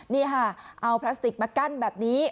นี่ค่ะเอาพลาสติกมากั้นแบบนี้